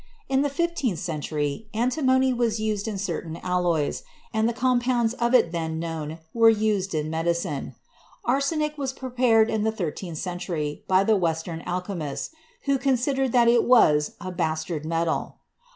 In the fifteenth century, antimony was used in certain alloys, and the compounds of it then known were used in medi cine. Arsenic was prepared in the thirteenth century by the Western alchemists, who considered that it was a "bastard metal."